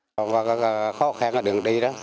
có khó khăn ở đường đi đó